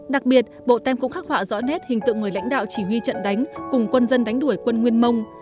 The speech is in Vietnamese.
đặc biệt bộ tem cũng khắc họa rõ nét hình tượng người lãnh đạo chỉ huy trận đánh cùng quân dân đánh đuổi quân nguyên mông